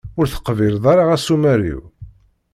Ur teqbileḍ ara asumer-iw?